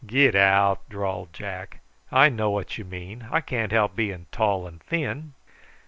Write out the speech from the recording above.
"Get out!" drawled Jack. "I know what you mean. I can't help being tall and thin."